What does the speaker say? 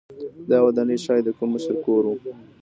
دا ودانۍ ښايي د کوم مشر کور و.